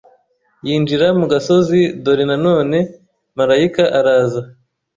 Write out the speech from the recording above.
yinjira mu gasozi dore na none marayika araza